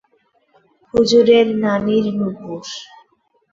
হুজুরের নানীর নূপুর।